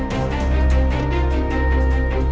atau nyawa lu melayang